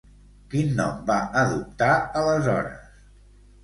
Qui nom va adoptar aleshores?